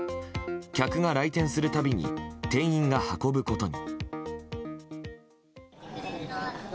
客が来店するたびに店員が運ぶことに。